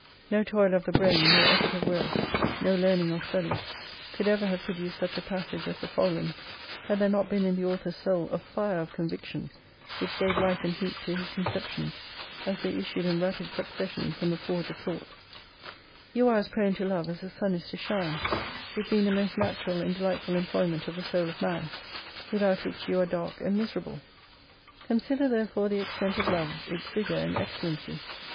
No toil of the brain, no effort of will, no learning or study, could ever have produced such a passage as the following, had there not been in the author's soul a fire of conviction which gave life and heat to his conceptions as they issued in rapid succession from the forge of thought :—" You are as prone to love as the sun is to shine ; it being the most natural and delightful employment of the soul of Man : without which you are dark and miserable. Consider therefore the extent of Love, its vigour and excellency.